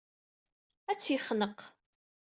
Ad tt-yexneq.